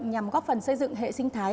nhằm góp phần xây dựng hệ sinh thái